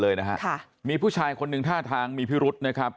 เลยนะฮะค่ะมีผู้ชายคนหนึ่งท่าทางมีพิรุษนะครับ